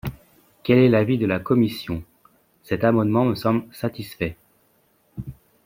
Quel est l’avis de la commission ? Cet amendement me semble satisfait.